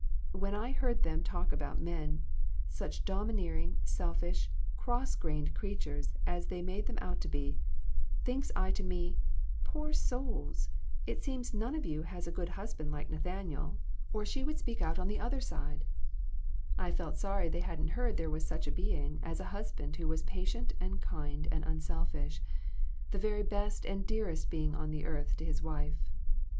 When I heard them talk about men such domineering, selfish, cross grained creatures as they made them out to be thinks I to me 'Poor souls! It seems none of you has a good husband like Nathaniel, or she LESSONS. 1/5 would speak out on the other side.' I felt sorry that they hadn't heard there was such a being as a husband who was patient and kind and unselfish the very best and dearest being on earth to his wife.